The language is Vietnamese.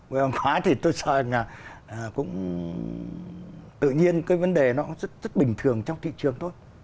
vội vàng quá thì tôi sợ là cũng tự nhiên cái vấn đề nó rất bình thường trong thị trường thôi